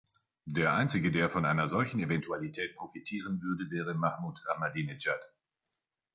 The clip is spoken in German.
Der einzige, der von einer solchen Eventualität profitieren würde, wäre Mahmoud Ahmadinejad.